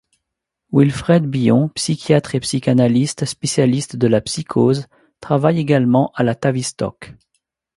Wilfred Bion, psychiatre et psychanalyste spécialiste de la psychose, travaille également à la Tavistock.